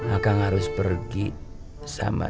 akang harus pergi sama